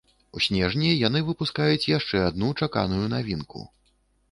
У снежні яны выпускаюць яшчэ адну чаканую навінку.